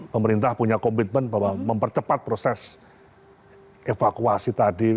pemerintah punya komitmen bahwa mempercepat proses evakuasi tadi